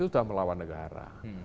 itu sudah melawan negara